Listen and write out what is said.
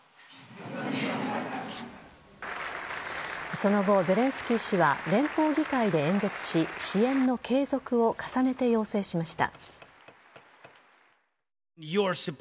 その後、ゼレンスキー氏は連邦議会で演説し支援の継続を重ねて要請しました。